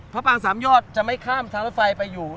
ปางสามยอดจะไม่ข้ามทางรถไฟไปอยู่